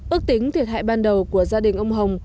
ước tính thiệt hại ban đầu của gia đình ông hồng